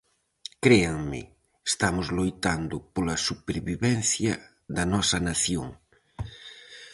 Créanme, estamos loitando pola supervivencia da nosa nación.